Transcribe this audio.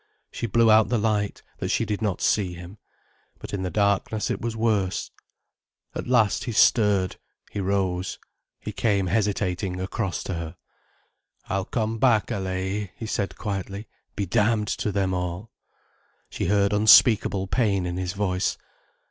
She blew out the light, that she need not see him. But in the darkness it was worse. At last he stirred—he rose. He came hesitating across to her. "I'll come back, Allaye," he said quietly. "Be damned to them all." She heard unspeakable pain in his voice.